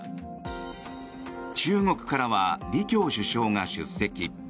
中国からは李強首相が出席。